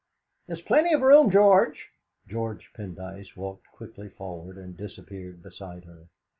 "There's plenty of room, George." George Pendyce walked quickly forward, and disappeared beside her.